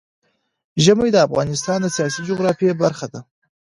ژمی د افغانستان د سیاسي جغرافیه برخه ده.